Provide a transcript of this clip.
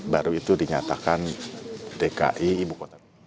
baru itu dinyatakan dki ibu kota